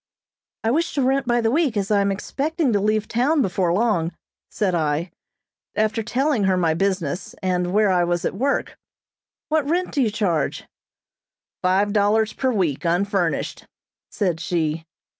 "I wish to rent by the week, as I am expecting to leave town before long," said I, after telling her my business, and where I was at work. "What rent do you charge?" "Five dollars per week, unfurnished," said she.